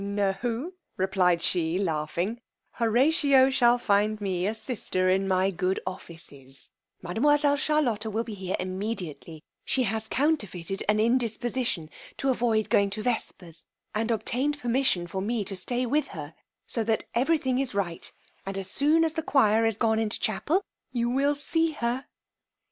No, replied she laughing, Horatio shall find me a sister in my good offices; mademoiselle Charlotta will be here immediately; she has counterfeited an indisposition to avoid going to vespers, and obtained permission for me to stay with her; so that every thing is right, and as soon as the choir is gone into chapel you will see her.